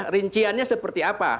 rinciannya seperti apa